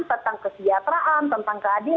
tentang kesejahteraan tentang keadilan